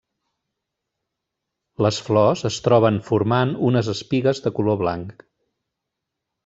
Les flors es troben formant unes espigues de color blanc.